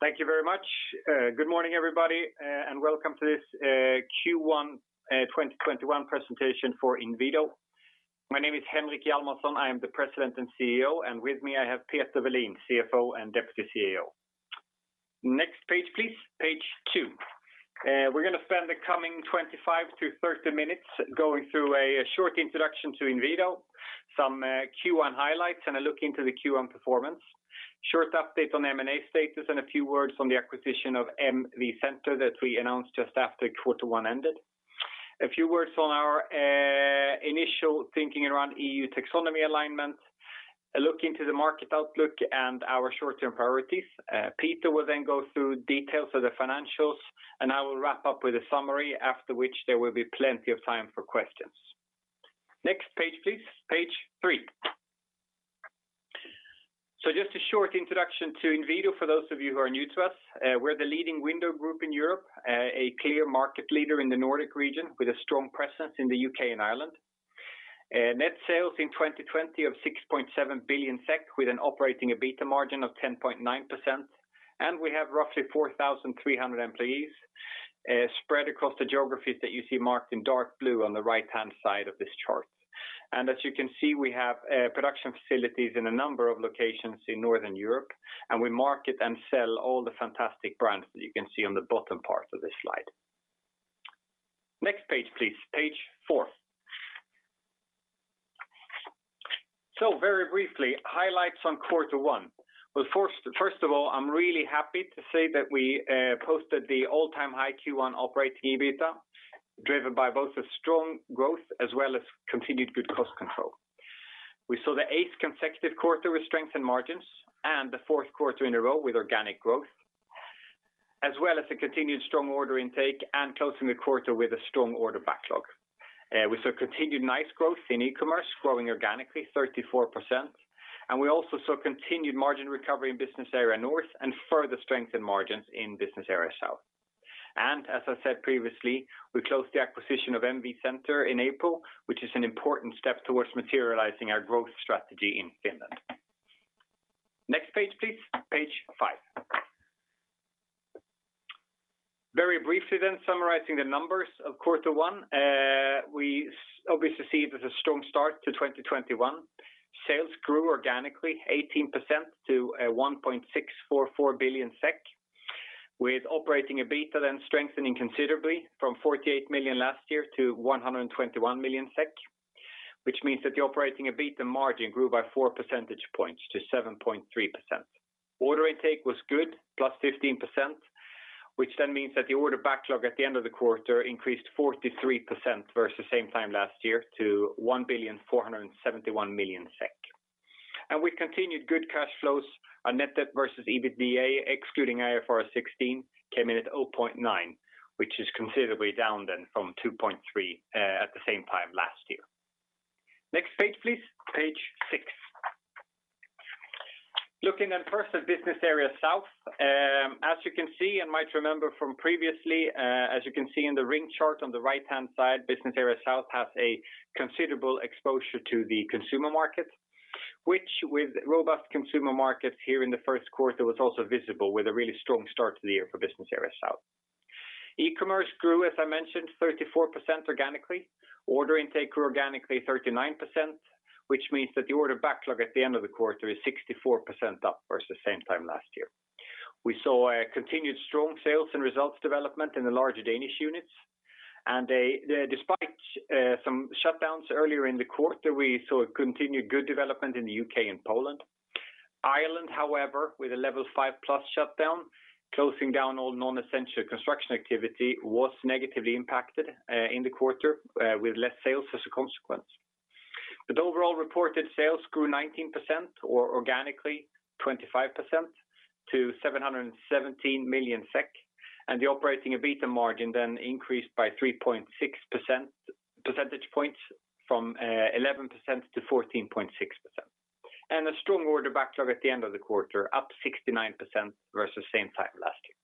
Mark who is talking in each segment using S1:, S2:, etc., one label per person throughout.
S1: Thank you very much. Good morning, everybody, welcome to this Q1 2021 presentation for Inwido. My name is Henrik Hjalmarsson. I am the President and CEO, and with me I have Peter Welin, CFO and Deputy CEO. Next page, please. Page two. We're going to spend the coming 25-30 minutes going through a short introduction to Inwido, some Q1 highlights, and a look into the Q1 performance. Short update on M&A status and a few words on the acquisition of MV Center that we announced just after quarter one ended. A few words on our initial thinking around EU Taxonomy alignment, a look into the market outlook and our short-term priorities. Peter will then go through details of the financials, and I will wrap up with a summary, after which there will be plenty of time for questions. Next page, please. Page three. Just a short introduction to Inwido, for those of you who are new to us. We're the leading window group in Europe, a clear market leader in the Nordic region with a strong presence in the U.K. and Ireland. Net sales in 2020 of 6.7 billion SEK, with an operating EBITDA margin of 10.9%. We have roughly 4,300 employees spread across the geographies that you see marked in dark blue on the right-hand side of this chart. As you can see, we have production facilities in a number of locations in Northern Europe. We market and sell all the fantastic brands that you can see on the bottom part of this slide. Next page, please. Page four. Very briefly, highlights on quarter one. Well, first of all, I'm really happy to say that we posted the all-time high Q1 operating EBITDA, driven by both a strong growth as well as continued good cost control. We saw the eighth consecutive quarter with strength in margins and the fourth quarter in a row with organic growth, as well as a continued strong order intake and closing the quarter with a strong order backlog. We saw continued nice growth in e-commerce, growing organically 34%, and we also saw continued margin recovery in Business Area Scandinavia and further strength in margins in Business Area West. As I said previously, we closed the acquisition of MV Center in April, which is an important step towards materializing our growth strategy in Finland. Next page, please. Page five. Very briefly, summarizing the numbers of quarter one. We obviously see it as a strong start to 2021. Sales grew organically 18% to 1.644 billion SEK, with operating EBITDA then strengthening considerably from 48 million last year to 121 million SEK, which means that the operating EBITDA margin grew by 4 percentage points to 7.3%. Order intake was good, +15%, which then means that the order backlog at the end of the quarter increased 43% versus same time last year to 1.471 billion SEK. We continued good cash flows. Our net debt versus EBITDA, excluding IFRS 16, came in at 0.9, which is considerably down then from 2.3 at the same time last year. Next page, please. Page six. Looking first at Business Area South. As you can see and might remember from previously, as you can see in the ring chart on the right-hand side, Business Area South has a considerable exposure to the consumer market, which with robust consumer markets here in the first quarter, was also visible with a really strong start to the year for Business Area South. E-commerce grew, as I mentioned, 34% organically. Order intake grew organically 39%, which means that the order backlog at the end of the quarter is 64% up versus same time last year. We saw a continued strong sales and results development in the larger Danish units, and despite some shutdowns earlier in the quarter, we saw a continued good development in the U.K. and Poland. Ireland, however, with a level 5+ shutdown, closing down all non-essential construction activity, was negatively impacted in the quarter with less sales as a consequence. Overall reported sales grew 19%, or organically 25%, to 717 million SEK, and the operating EBITDA margin increased by 3.6 percentage points from 11% to 14.6%. A strong order backlog at the end of the quarter, up 69% versus same time last year.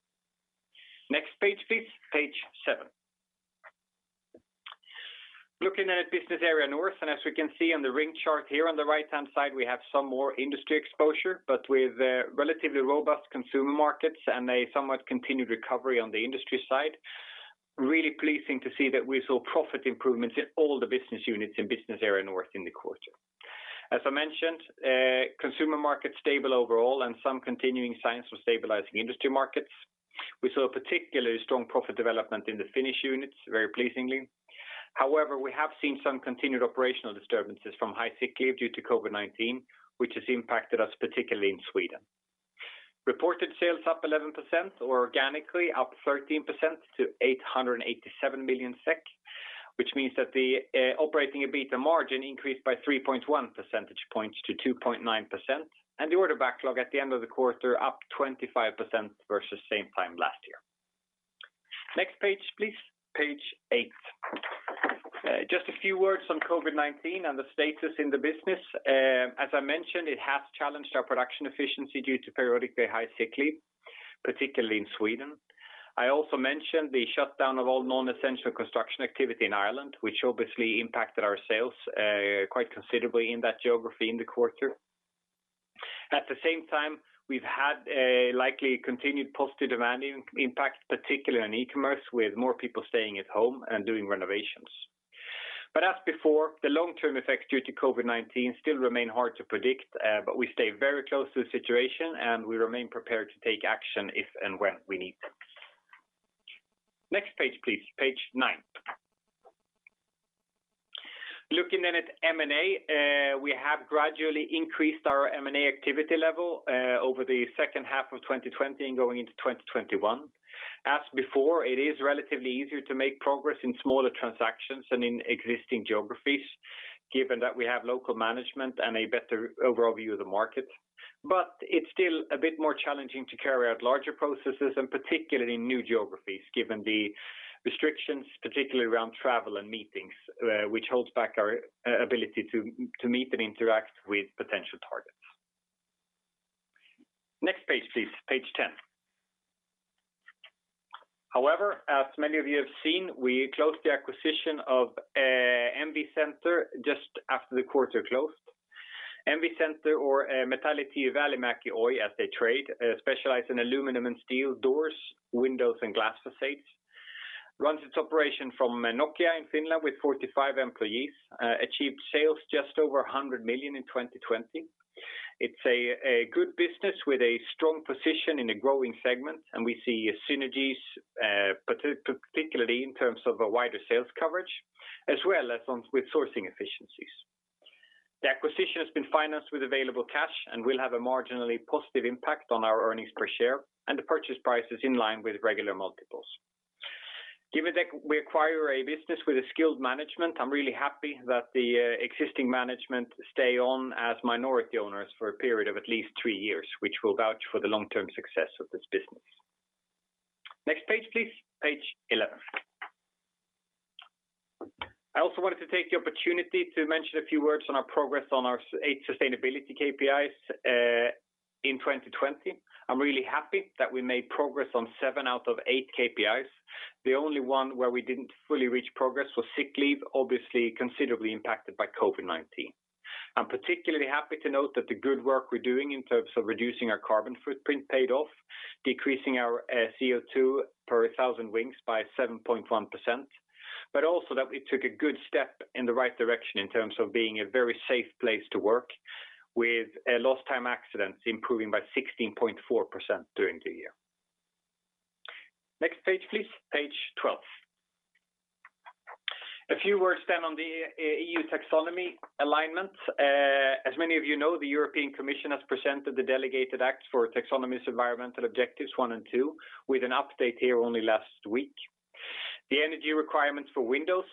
S1: Next page, please. Page seven. Looking at Business Area North, as we can see on the ring chart here on the right-hand side, we have some more industry exposure, with relatively robust consumer markets and a somewhat continued recovery on the industry side, really pleasing to see that we saw profit improvements in all the business units in Business Area North in the quarter. As I mentioned, consumer market stable overall, some continuing signs for stabilizing industry markets. We saw a particularly strong profit development in the Finnish units, very pleasingly. However, we have seen some continued operational disturbances from high sick leave due to COVID-19, which has impacted us particularly in Sweden. Reported sales up 11%, or organically up 13% to 887 million SEK, which means that the operating EBITDA margin increased by 3.1 percentage points to 2.9%, and the order backlog at the end of the quarter up 25% versus same time last year. Next page, please. Page eight. Just a few words on COVID-19 and the status in the business. As I mentioned, it has challenged our production efficiency due to periodically high sick leave. Particularly in Sweden. I also mentioned the shutdown of all non-essential construction activity in Ireland, which obviously impacted our sales quite considerably in that geography in the quarter. At the same time, we've had a likely continued positive demand impact, particularly in e-commerce, with more people staying at home and doing renovations. As before, the long-term effects due to COVID-19 still remain hard to predict, but we stay very close to the situation, and we remain prepared to take action if and when we need to. Next page, please, page nine. Looking at M&A, we have gradually increased our M&A activity level over the second half of 2020 and going into 2021. As before, it is relatively easier to make progress in smaller transactions than in existing geographies, given that we have local management and a better overall view of the market. It's still a bit more challenging to carry out larger processes, and particularly in new geographies, given the restrictions, particularly around travel and meetings, which holds back our ability to meet and interact with potential targets. Next page, please, page 10. As many of you have seen, we closed the acquisition of MV Center just after the quarter closed. MV Center or Metallityö Välimäki Oy as they trade, specialize in aluminum and steel doors, windows, and glass facades. It runs its operation from Nokia in Finland with 45 employees, achieved sales just over 100 million in 2020. It's a good business with a strong position in a growing segment, and we see synergies, particularly in terms of a wider sales coverage as well as with sourcing efficiencies. The acquisition has been financed with available cash and will have a marginally positive impact on our earnings per share, and the purchase price is in line with regular multiples. Given that we acquire a business with a skilled management, I'm really happy that the existing management stay on as minority owners for a period of at least three years, which will vouch for the long-term success of this business. Next page, please, page 11. I also wanted to take the opportunity to mention a few words on our progress on our eight sustainability KPIs, in 2020. I'm really happy that we made progress on seven out of eight KPIs. The only one where we didn't fully reach progress was sick leave, obviously considerably impacted by COVID-19. I'm particularly happy to note that the good work we're doing in terms of reducing our carbon footprint paid off, decreasing our CO2 per a thousand wings by 7.1%, but also that we took a good step in the right direction in terms of being a very safe place to work, with lost time accidents improving by 16.4% during the year. Next page, please, page 12. A few words on the EU Taxonomy alignment. As many of you know, the European Commission has presented the delegated acts for taxonomy's environmental objectives one and two, with an update here only last week. The energy requirements for windows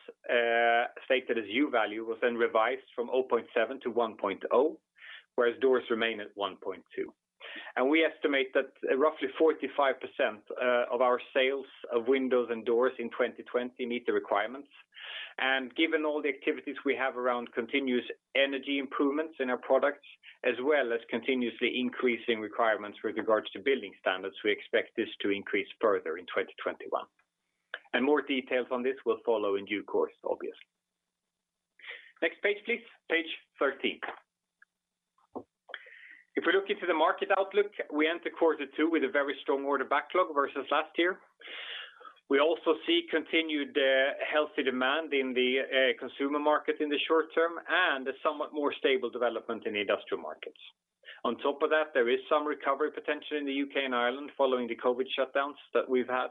S1: stated as U-value was revised from 0.7 to 1.0, whereas doors remain at 1.2. We estimate that roughly 45% of our sales of windows and doors in 2020 meet the requirements. Given all the activities we have around continuous energy improvements in our products, as well as continuously increasing requirements with regards to building standards, we expect this to increase further in 2021. More details on this will follow in due course, obviously. Next page, please, page 13. If we look into the market outlook, we enter quarter two with a very strong order backlog versus last year. We also see continued healthy demand in the consumer market in the short term and a somewhat more stable development in the industrial markets. On top of that, there is some recovery potential in the U.K. and Ireland following the COVID-19 shutdowns that we've had.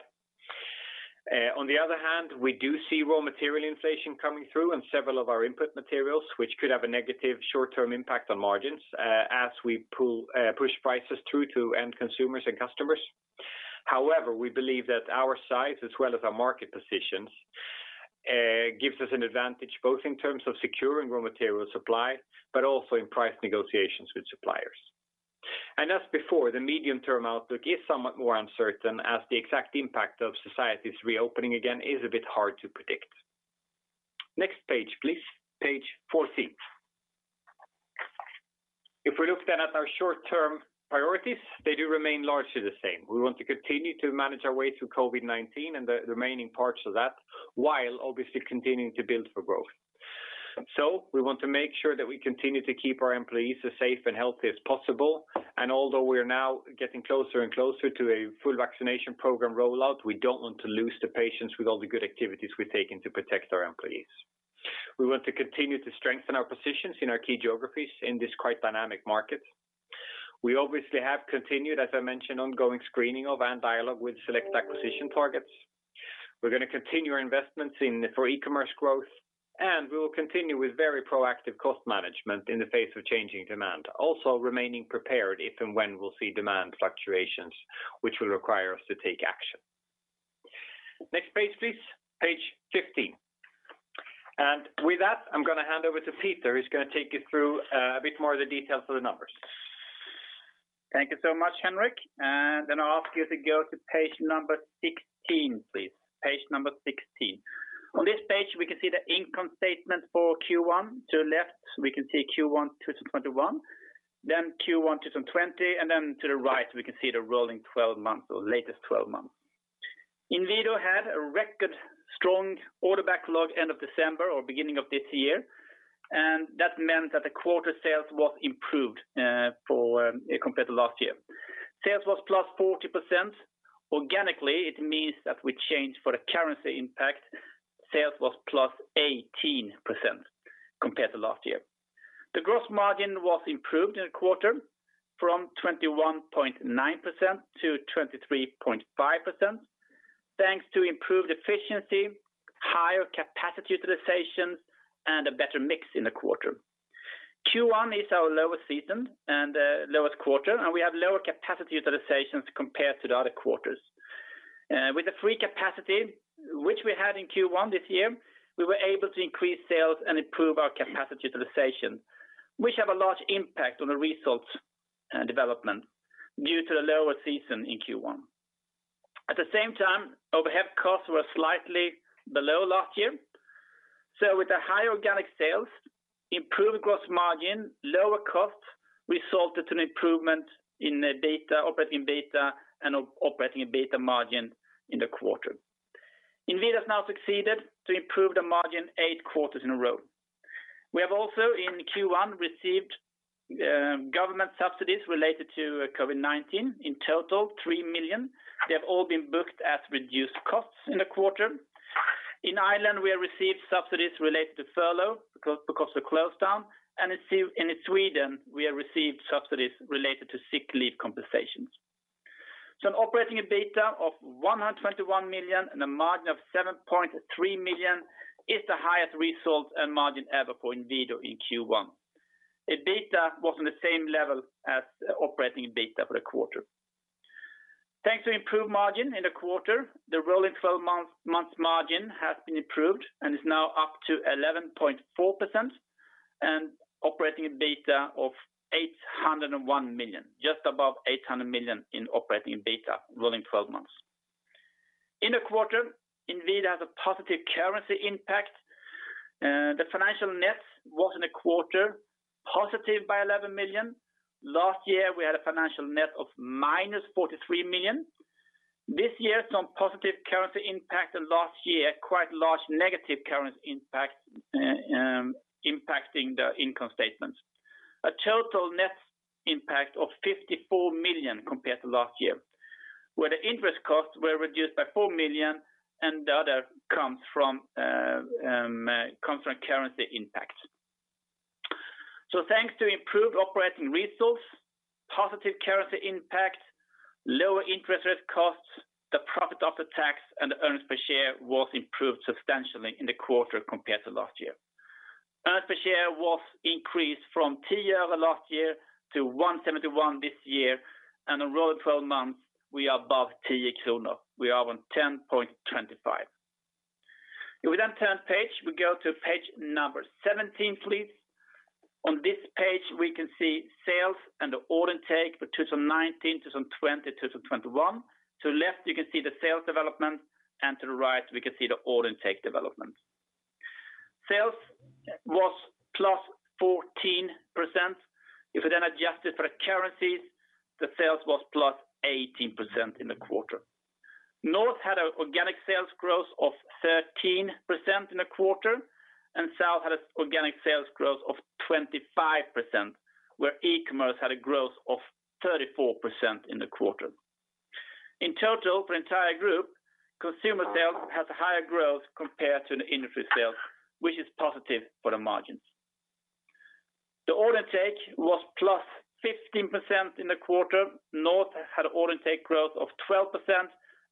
S1: On the other hand, we do see raw material inflation coming through in several of our input materials, which could have a negative short-term impact on margins as we push prices through to end consumers and customers. However, we believe that our size as well as our market positions, gives us an advantage both in terms of securing raw material supply, but also in price negotiations with suppliers. As before, the medium-term outlook is somewhat more uncertain as the exact impact of societies reopening again is a bit hard to predict. Next page, please, page 14. If we look then at our short-term priorities, they do remain largely the same. We want to continue to manage our way through COVID-19 and the remaining parts of that, while obviously continuing to build for growth. We want to make sure that we continue to keep our employees as safe and healthy as possible. Although we're now getting closer and closer to a full vaccination program rollout, we don't want to lose the patience with all the good activities we're taking to protect our employees. We want to continue to strengthen our positions in our key geographies in this quite dynamic market. We obviously have continued, as I mentioned, ongoing screening of and dialogue with select acquisition targets. We're going to continue our investments for e-commerce growth, and we will continue with very proactive cost management in the face of changing demand, also remaining prepared if and when we'll see demand fluctuations, which will require us to take action. Next page, please, page 15. With that, I'm going to hand over to Peter, who's going to take you through a bit more of the details of the numbers.
S2: Thank you so much, Henrik. I'll ask you to go to page number 16, please. Page number 16. On this page, we can see the income statement for Q1. To the left, we can see Q1 2021, then Q1 2020, and then to the right, we can see the rolling 12 months or latest 12 months. Inwido had a record strong order backlog end of December or beginning of this year, and that meant that the quarter sales was improved compared to last year. Sales was +14%. Organically, it means that we changed for the currency impact, sales was +18% compared to last year. The gross margin was improved in a quarter from 21.9% to 23.5%, thanks to improved efficiency, higher capacity utilizations, and a better mix in the quarter. Q1 is our lowest season and lowest quarter. We have lower capacity utilizations compared to the other quarters. With the free capacity which we had in Q1 this year, we were able to increase sales and improve our capacity utilization, which have a large impact on the results and development due to the lower season in Q1. At the same time, overhead costs were slightly below last year. With the high organic sales, improved gross margin, lower costs, resulted in improvement in operating EBITDA and operating EBITDA margin in the quarter. Inwido has now succeeded to improve the margin eight quarters in a row. We have also, in Q1, received government subsidies related to COVID-19, in total, 3 million. They have all been booked as reduced costs in the quarter. In Ireland, we have received subsidies related to furlough because of closedown. In Sweden, we have received subsidies related to sick leave compensations. An operating EBITDA of 121 million and a margin of 7.3% is the highest result and margin ever for Inwido in Q1. EBITDA was on the same level as operating EBITDA for the quarter. Thanks to improved margin in the quarter, the rolling 12-months margin has been improved and is now up to 11.4%. Operating EBITDA of 801 million. Just above 800 million in operating EBITDA, rolling 12-months. In the quarter, Inwido has a positive currency impact. The financial net was in the quarter positive by 11 million. Last year, we had a financial net of -43 million. This year, some positive currency impact. Last year, quite large negative currency impact impacting the income statements. A total net impact of 54 million compared to last year, where the interest costs were reduced by 4 million and the other comes from currency impact. Thanks to improved operating results, positive currency impact, lower interest rate costs, the profit after tax and the earnings per share was improved substantially in the quarter compared to last year. Earnings per share was increased from SEK 0.10 last year to 1.71 this year, and the rolling 12 months we are above SEK 10. We are on 10.25. If we turn page, we go to page number 17, please. On this page, we can see sales and the order intake for 2019, 2020, 2021. To the left, you can see the sales development, and to the right, we can see the order intake development. Sales was +14%. We then adjust it for currencies, the sales was +18% in the quarter. North had an organic sales growth of 13% in the quarter, and South had an organic sales growth of 25%, where e-commerce had a growth of 34% in the quarter. In total, for the entire group, consumer sales has a higher growth compared to the industry sales, which is positive for the margins. The order intake was +15% in the quarter. North had order intake growth of 12%,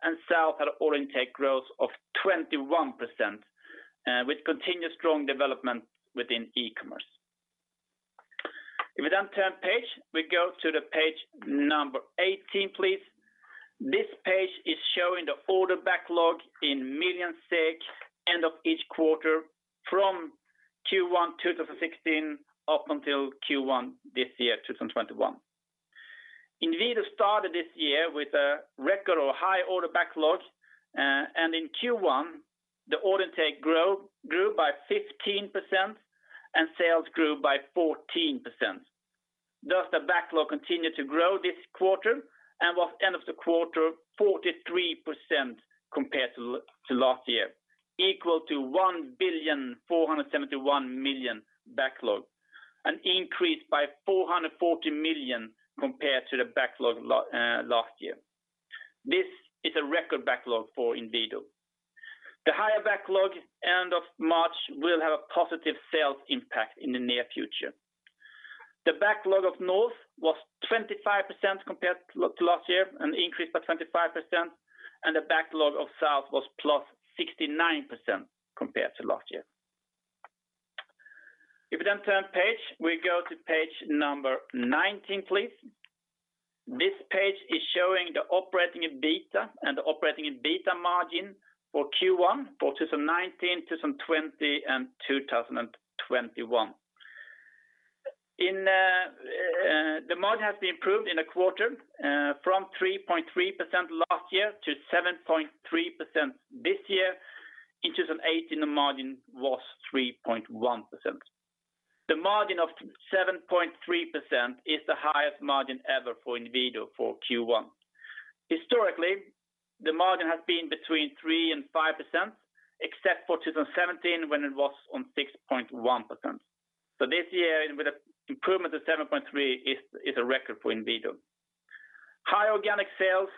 S2: and South had order intake growth of 21%, with continued strong development within e-commerce. We then turn page, we go to the page number 18, please. This page is showing the order backlog in millions SEK end of each quarter from Q1 2016 up until Q1 this year, 2021. Inwido started this year with a record or high order backlog, and in Q1, the order intake grew by 15%, and sales grew by 14%. The backlog continued to grow this quarter and was end of the quarter 43% compared to last year, equal to 1 billion 471 million backlog, an increase by 440 million compared to the backlog last year. This is a record backlog for Inwido. The higher backlog end of March will have a positive sales impact in the near future. The backlog of North was 25% compared to last year, an increase by 25%, and the backlog of South was +69% compared to last year. If we then turn page, we go to page number 19, please. This page is showing the operating EBITDA and the operating EBITDA margin for Q1 for 2019, 2020, and 2021. The margin has been improved in a quarter from 3.3% last year to 7.3% this year. In 2018, the margin was 3.1%. The margin of 7.3% is the highest margin ever for Inwido for Q1. Historically, the margin has been between 3% and 5%, except for 2017 when it was on 6.1%. This year, with the improvement of 7.3%, is a record for Inwido. High organic sales,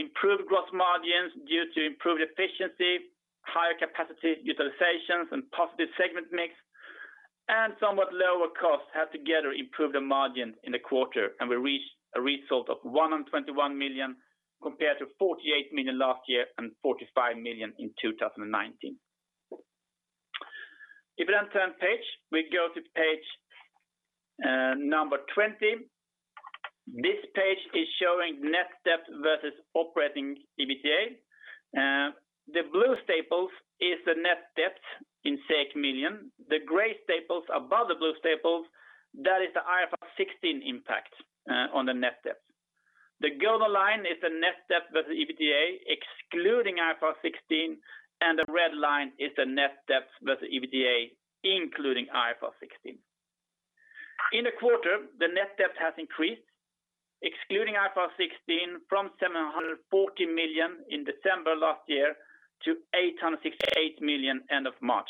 S2: improved gross margins due to improved efficiency, higher capacity utilizations and positive segment mix, and somewhat lower costs have together improved the margin in the quarter. We reached a result of 121 million compared to 48 million last year and 45 million in 2019. If you turn page, we go to page number 20. This page is showing net debt versus operating EBITDA. The blue staples is the net debt in million. The gray staples above the blue staples, that is the IFRS 16 impact on the net debt. The golden line is the net debt versus EBITDA excluding IFRS 16, and the red line is the net debt versus EBITDA, including IFRS 16. In the quarter, the net debt has increased, excluding IFRS 16, from 740 million in December last year to 868 million end of March.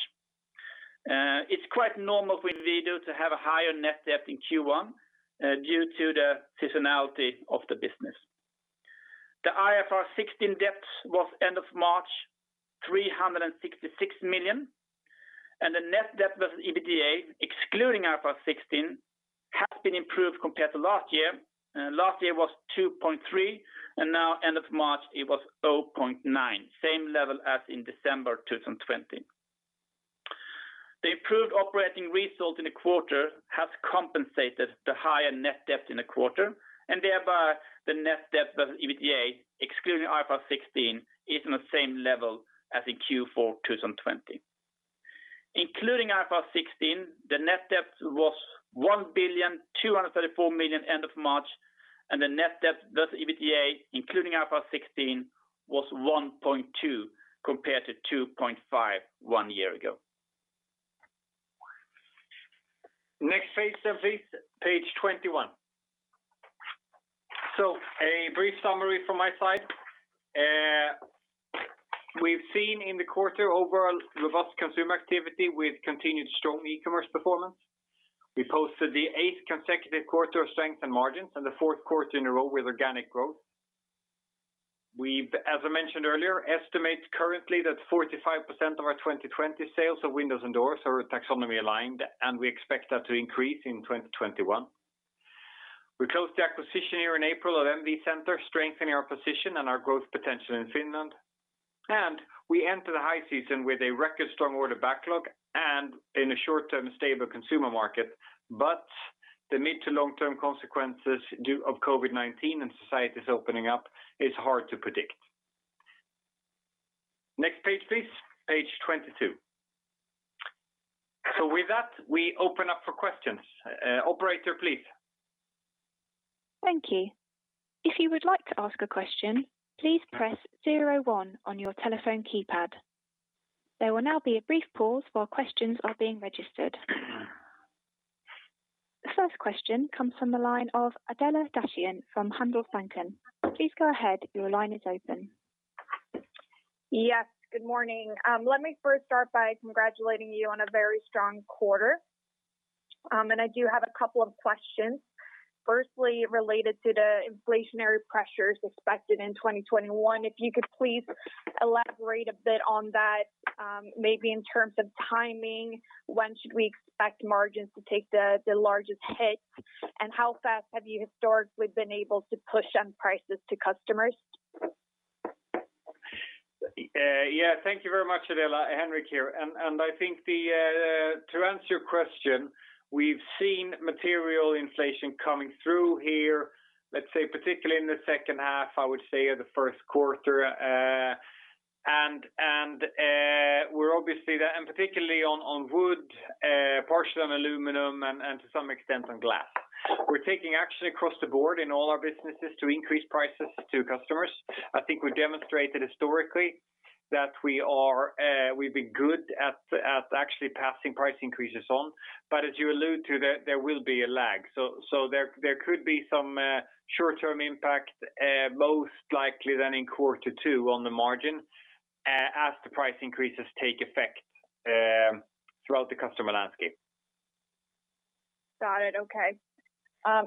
S2: It's quite normal for Inwido to have a higher net debt in Q1 due to the seasonality of the business. The IFRS 16 debt was, end of March, 366 million, and the net debt versus EBITDA, excluding IFRS 16, has been improved compared to last year. Last year was 2.3, and now end of March, it was 0.9, same level as in December 2020. The improved operating result in the quarter has compensated the higher net debt in the quarter, and thereby the net debt versus EBITDA, excluding IFRS 16, is on the same level as in Q4 2020. Including IFRS 16, the net debt was 1.234 billion end of March, and the net debt versus EBITDA, including IFRS 16, was 1.2 compared to 2.5 one year ago.
S1: Next page, please. Page 21. A brief summary from my side. We've seen in the quarter overall robust consumer activity with continued strong e-commerce performance. We posted the eighth consecutive quarter of strength and margins and the fourth quarter in a row with organic growth. We've, as I mentioned earlier, estimate currently that 45% of our 2020 sales of windows and doors are taxonomy aligned, and we expect that to increase in 2021. We closed the acquisition here in April of MV Center, strengthening our position and our growth potential in Finland. We enter the high season with a record strong order backlog and in a short-term stable consumer market, but the mid to long-term consequences of COVID-19 and societies opening up is hard to predict. Next page, please. Page 22. With that, we open up for questions. Operator, please.
S3: Thank you. The first question comes from the line of Adela Dashian from Handelsbanken. Please go ahead, your line is open.
S4: Yes. Good morning. Let me first start by congratulating you on a very strong quarter. I do have a couple of questions. Firstly, related to the inflationary pressures expected in 2021, if you could please elaborate a bit on that, maybe in terms of timing, when should we expect margins to take the largest hit? How fast have you historically been able to push on prices to customers?
S1: Yeah. Thank you very much, Adela. Henrik here. I think to answer your question, we've seen material inflation coming through here, let's say particularly in the second half, I would say, of the first quarter. Particularly on wood, partially on aluminum, and to some extent on glass. We're taking action across the board in all our businesses to increase prices to customers. I think we demonstrated historically that we've been good at actually passing price increases on. As you allude to, there will be a lag. There could be some short-term impact, most likely then in quarter two on the margin, as the price increases take effect throughout the customer landscape.
S4: Got it. Okay. On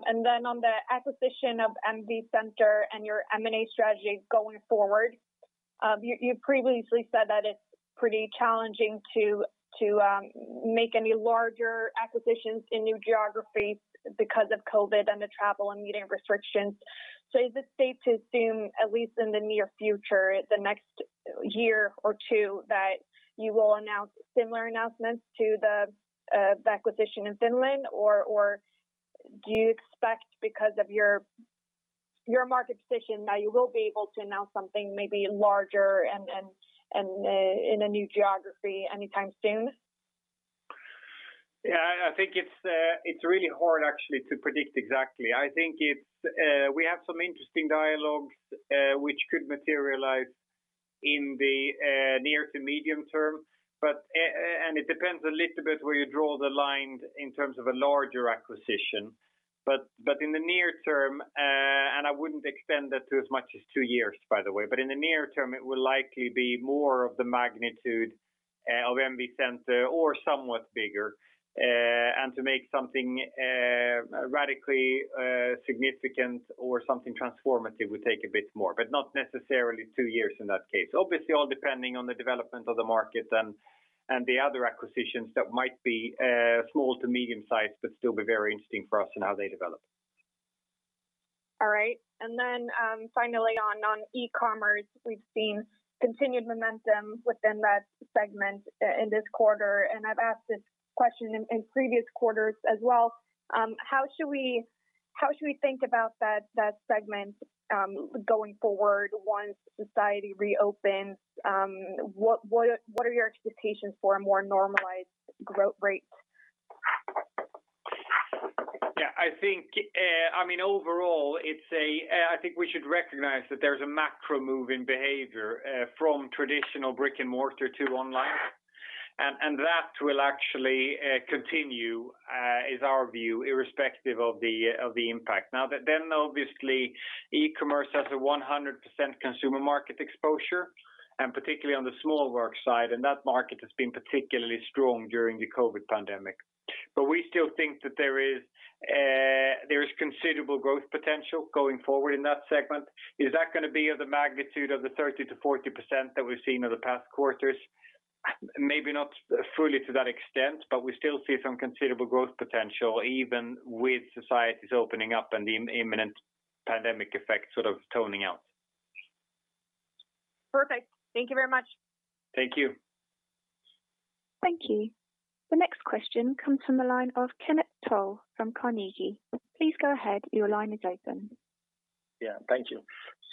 S4: the acquisition of MV Center and your M&A strategy going forward, you previously said that it's pretty challenging to make any larger acquisitions in new geographies because of COVID-19 and the travel and meeting restrictions. Is it safe to assume, at least in the near future, the next year or two, that you will announce similar announcements to the acquisition in Finland? Do you expect because of your market position now, you will be able to announce something maybe larger and in a new geography anytime soon?
S1: Yeah, I think it's really hard actually to predict exactly. I think we have some interesting dialogues which could materialize in the near to medium term, and it depends a little bit where you draw the line in terms of a larger acquisition. In the near term, and I wouldn't extend that to as much as two years, by the way, in the near term, it will likely be more of the magnitude of MV Center or somewhat bigger. To make something radically significant or something transformative would take a bit more, but not necessarily two years in that case. Obviously, all depending on the development of the market and the other acquisitions that might be small to medium size, but still be very interesting for us in how they develop.
S4: All right. Then finally on e-commerce, we've seen continued momentum within that segment in this quarter, and I've asked this question in previous quarters as well. How should we think about that segment going forward once society reopens? What are your expectations for a more normalized growth rate?
S1: Yeah. Overall, I think we should recognize that there's a macro move in behavior from traditional brick and mortar to online, and that will actually continue is our view, irrespective of the impact. Obviously, e-commerce has a 100% consumer market exposure, and particularly on the small work side, and that market has been particularly strong during the COVID pandemic. We still think that there is considerable growth potential going forward in that segment. Is that going to be of the magnitude of the 30%-40% that we've seen in the past quarters? Maybe not fully to that extent, but we still see some considerable growth potential even with societies opening up and the imminent pandemic effect sort of toning out.
S4: Perfect. Thank you very much.
S1: Thank you.
S3: Thank you. The next question comes from the line of Kenneth Toll from Carnegie. Please go ahead. Your line is open.
S5: Yeah. Thank you.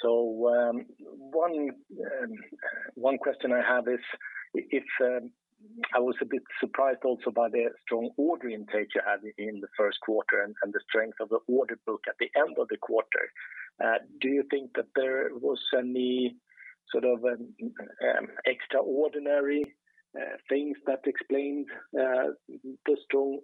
S5: One question I have is, I was a bit surprised also by the strong order intake you had in the first quarter and the strength of the order book at the end of the quarter. Do you think that there was any sort of extraordinary things that explained the strong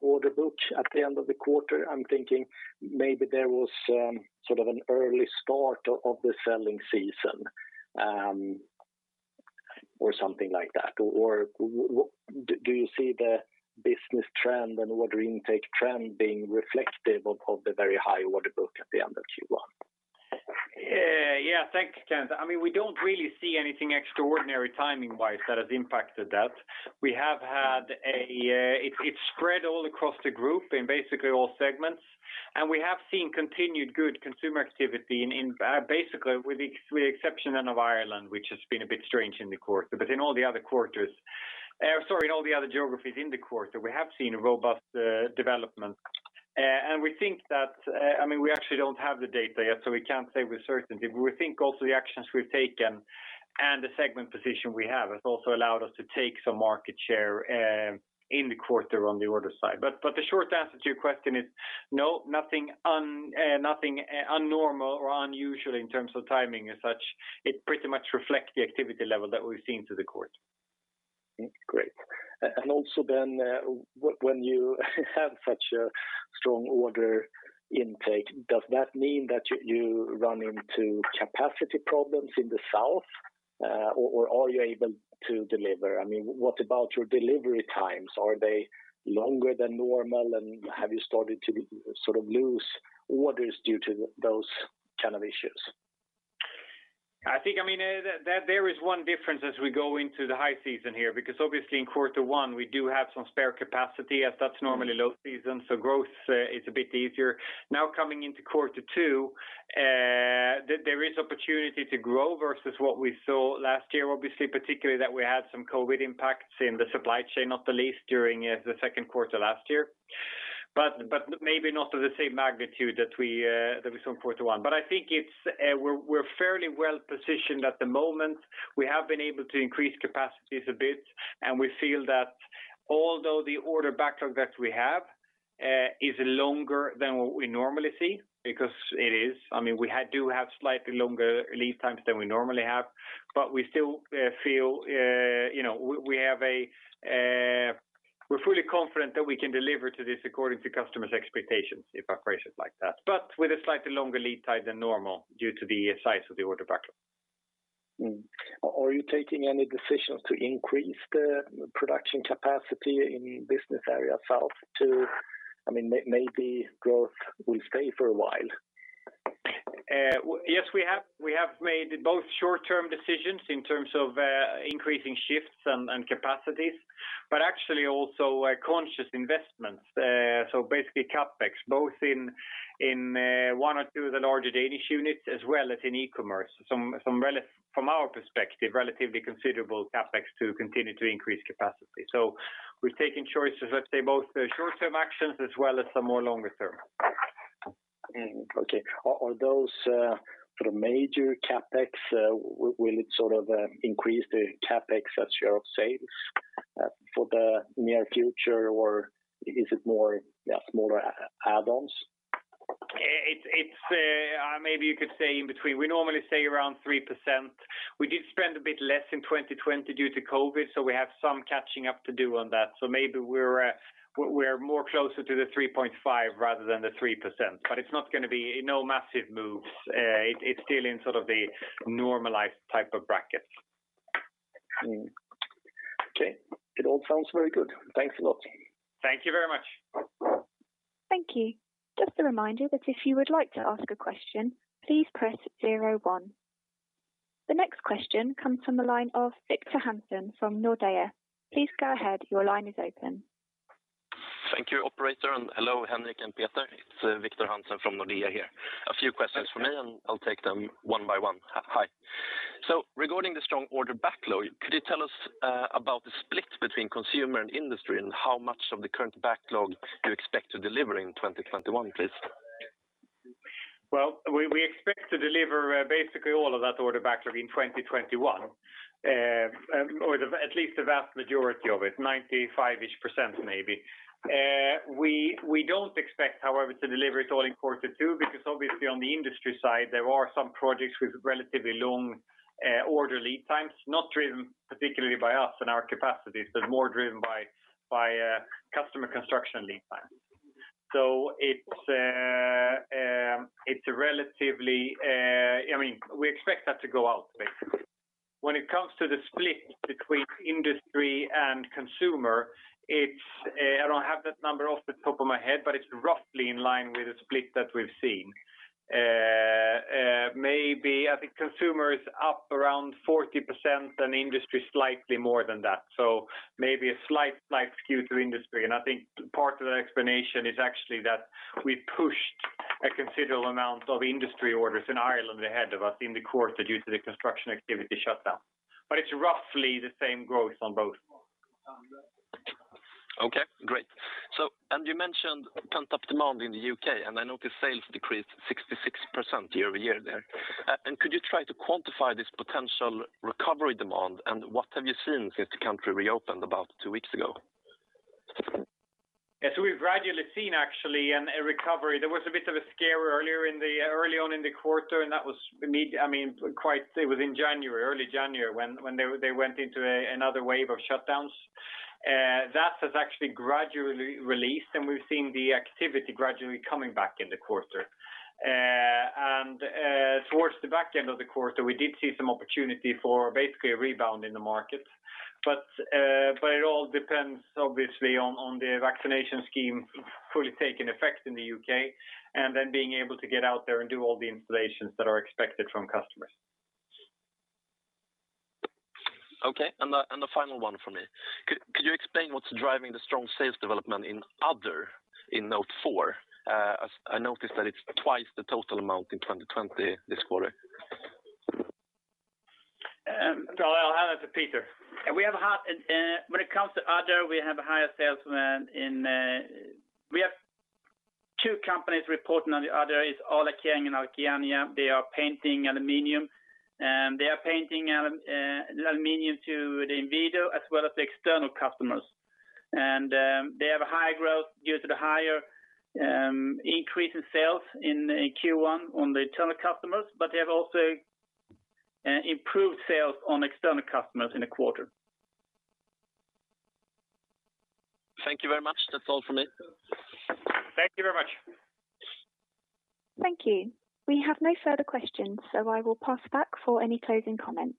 S5: order book at the end of the quarter? I'm thinking maybe there was sort of an early start of the selling season or something like that. Do you see the business trend and order intake trend being reflective of the very high order book at the end of Q1?
S1: Yeah. Thanks, Kenneth. We don't really see anything extraordinary timing-wise that has impacted that. It's spread all across the group in basically all segments, and we have seen continued good consumer activity basically with the exception of Ireland, which has been a bit strange in the quarter. In all the other geographies in the quarter, we have seen a robust development. We actually don't have the data yet, so we can't say with certainty. We think also the actions we've taken and the segment position we have has also allowed us to take some market share in the quarter on the order side. The short answer to your question is no, nothing unnormal or unusual in terms of timing as such. It pretty much reflects the activity level that we've seen through the quarter.
S5: Great. Also then when you have such a strong order intake, does that mean that you run into capacity problems in the South? Are you able to deliver? What about your delivery times? Are they longer than normal, and have you started to sort of lose orders due to those kind of issues?
S1: There is one difference as we go into the high season here. Obviously, in quarter one, we do have some spare capacity as that's normally low season. Growth is a bit easier. Coming into quarter two, there is opportunity to grow versus what we saw last year, obviously, particularly that we had some COVID-19 impacts in the supply chain, not the least during the second quarter last year. Maybe not to the same magnitude that we saw in quarter one. I think we're fairly well positioned at the moment. We have been able to increase capacities a bit. We feel that although the order backlog that we have is longer than what we normally see, because it is. We do have slightly longer lead times than we normally have, but we're fully confident that we can deliver to this according to customers' expectations if operations like that, but with a slightly longer lead time than normal due to the size of the order backlog.
S5: Are you taking any decisions to increase the production capacity in Business Area South too? Maybe growth will stay for a while.
S1: We have made both short-term decisions in terms of increasing shifts and capacities, but actually also conscious investments. Basically CapEx, both in one or two of the larger Danish units as well as in e-commerce. From our perspective, relatively considerable CapEx to continue to increase capacity. We've taken choices, let's say both short-term actions as well as some more longer term.
S5: Okay. Are those major CapEx? Will it increase the CapEx as share of sales for the near future? Or is it more smaller add-ons?
S1: Maybe you could say in between. We normally say around 3%. We did spend a bit less in 2020 due to COVID. We have some catching up to do on that. Maybe we're more closer to the 3.5% rather than the 3%. It's not going to be massive moves. It's still in the normalized type of brackets.
S5: Okay. It all sounds very good. Thanks a lot.
S1: Thank you very much.
S3: Thank you. Just a reminder that if you would like to ask a question, please press zero one. The next question comes from the line of Victor Hansen from Nordea. Please go ahead. Your line is open.
S6: Thank you operator, hello, Henrik and Peter. It's Victor Hansen from Nordea here. A few questions from me, and I'll take them one by one. Hi. Regarding the strong order backlog, could you tell us about the split between consumer and industry, and how much of the current backlog you expect to deliver in 2021, please?
S1: Well, we expect to deliver basically all of that order backlog in 2021. Or at least the vast majority of it, 95-ish% maybe. We don't expect, however, to deliver it all in quarter two, because obviously on the industry side, there are some projects with relatively long order lead times, not driven particularly by us and our capacities, but more driven by customer construction lead times. We expect that to go out, basically. When it comes to the split between industry and consumer, I don't have that number off the top of my head, but it's roughly in line with the split that we've seen. I think consumer is up around 40% and industry slightly more than that. Maybe a slight skew to industry, and I think part of the explanation is actually that we pushed a considerable amount of industry orders in Ireland ahead of us in the quarter due to the construction activity shutdown. It's roughly the same growth on both.
S6: Okay, great. You mentioned pent-up demand in the U.K., and I noticed sales decreased 66% year-over-year there. Could you try to quantify this potential recovery demand, and what have you seen since the country reopened about two weeks ago?
S1: Yes, we've gradually seen actually a recovery. There was a bit of a scare early on in the quarter, it was in early January when they went into another wave of shutdowns. That has actually gradually released. We've seen the activity gradually coming back in the quarter. Towards the back end of the quarter, we did see some opportunity for basically a rebound in the market. It all depends, obviously, on the vaccination scheme fully taking effect in the U.K. and then being able to get out there and do all the installations that are expected from customers.
S6: Okay. The final one from me. Could you explain what's driving the strong sales development in other in Note 4? I noticed that it's twice the total amount in 2020 this quarter.
S1: I'll hand that to Peter.
S2: When it comes to other, we have two companies reporting on the other is A-Lackering and Alakiernia. They are painting aluminum, and they are painting aluminum to the Inwido as well as the external customers. They have a high growth due to the higher increase in sales in Q1 on the internal customers, but they have also improved sales on external customers in the quarter.
S6: Thank you very much. That's all from me.
S1: Thank you very much.
S3: Thank you. I will pass back for any closing comments.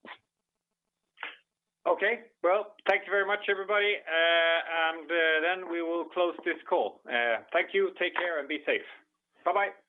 S1: Okay. Well, thank you very much, everybody, and then we will close this call. Thank you. Take care and be safe. Bye-bye